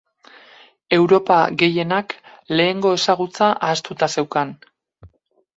Europa gehienak lehengo ezagutza ahaztuta zeukan.